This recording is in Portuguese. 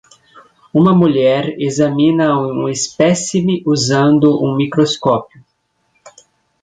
Uma mulher examina um espécime usando um microscópio